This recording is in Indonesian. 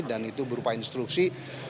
dan itu berupa instruksi